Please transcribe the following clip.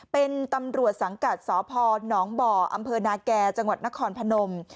เป็นตำรวจสังกัดสพหนองบ่ออำเภอนาแก่จังหวัดนครพนม